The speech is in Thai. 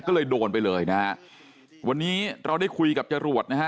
ก็เลยโดนไปเลยนะฮะวันนี้เราได้คุยกับจรวดนะฮะ